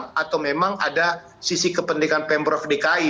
kalau memang ada sisi kependekan pembroke dki